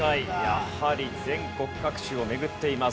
やはり全国各地を巡っています。